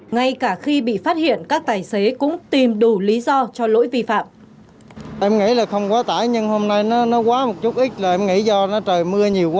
ngay cả khi bị phát hiện các tài xế cũng tìm đủ lý do cho lỗi vi phạm